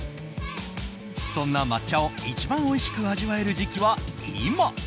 そんな抹茶を一番おいしく味わえる時期は今！